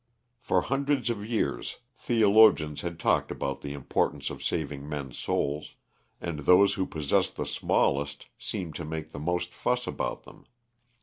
For hundreds of years theologians had talked about the importance of saving men's souls; and those who possessed the smallest seemed to make the most fuss about them.